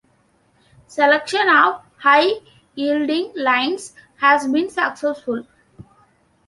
Selection of high-yielding lines has been successful.